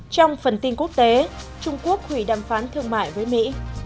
trong phần tin quốc tế trung quốc hủy đàm phán thương mại với mỹ